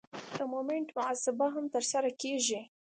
د مومنټ محاسبه هم ترسره کیږي